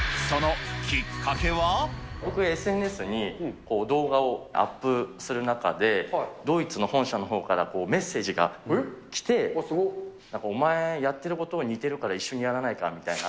僕、ＳＮＳに動画をアップする中で、ドイツの本社のほうからメッセージが来て、なんか、お前やってること似てるから、一緒にやらないかみたいな。